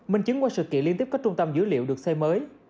minh chứng qua sự kiện liên tiếp các trung tâm dữ liệu được xây mới